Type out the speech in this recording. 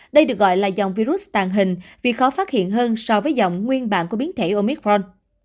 đây được gọi là dòng virus tàn hình vì khó phát hiện hơn so với dòng nguyên bản của biến thể omicron